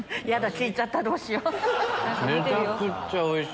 聞いちゃったどうしよう。